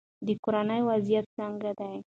د کورنۍ وضعیت څنګه دی؟